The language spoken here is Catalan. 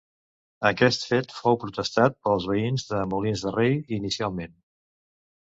Aquest fet fou protestat pels veïns de Molins de Rei inicialment.